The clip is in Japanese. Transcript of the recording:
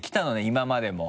今までも。